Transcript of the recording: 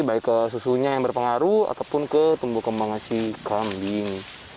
baik ke susunya yang berpengaruh ataupun ke tumbuh kembang si kambing